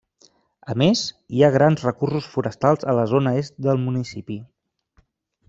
A més, hi ha grans recursos forestals a la zona est del municipi.